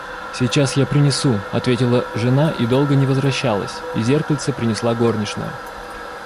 — Сейчас я принесу, — ответила жена и долго не возвращалась, и зеркальце принесла горничная.